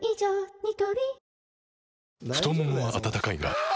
ニトリ太ももは温かいがあ！